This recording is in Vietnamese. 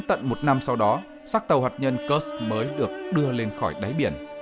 tận một năm sau đó xác tàu hạt nhân kursk mới được đưa lên khỏi đáy biển